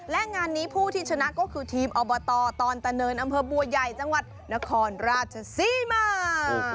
และงานนี้ผู้ที่ชนะก็คือทีมอบตตอนตะเนินอำเภอบัวใหญ่จังหวัดนครราชศรีมา